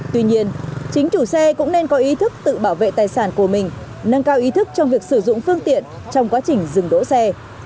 tuy nhiên chính chủ xe cũng nên có ý thức tự bảo vệ tài sản của mình nâng cao ý thức trong việc sử dụng phương tiện trong quá trình dừng đỗ xe